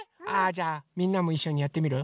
じゃあみんなもいっしょにやってみる？